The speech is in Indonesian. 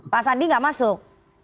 pak sandi nggak masuk